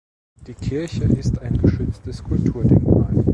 Die Kirche ist ein geschütztes Kulturdenkmal.